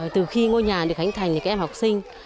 từ khi ngôi nhà được hành thành các em học sinh